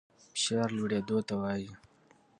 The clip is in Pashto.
فشار لوړېدلو ته وايي.